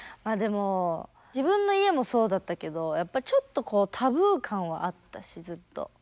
まあでも自分の家もそうだったけどやっぱりちょっとこうタブー感はあったしずっと。